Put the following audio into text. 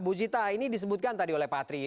bu zita ini disebutkan tadi oleh pak atri